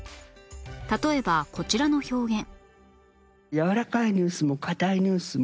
例えばこちらの表現